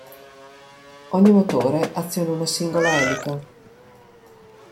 Ogni motore aziona una singola elica.